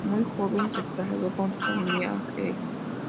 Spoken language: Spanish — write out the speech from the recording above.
Muy joven se trasladó con su familia a Jerez.